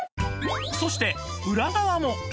そして裏側も